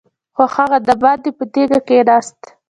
خو هغه دباندې په تيږه کېناست.